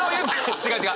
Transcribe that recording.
違う違う！